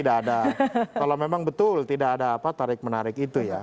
kalau memang betul tidak ada apa tarik menarik itu ya